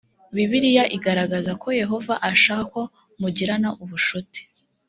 bibiliya igaragaza ko yehova ashaka ko mugirana ubucuti